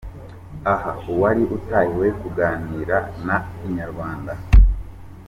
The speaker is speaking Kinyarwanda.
Aha uwari utahiwe kuganira na Inyarwanda.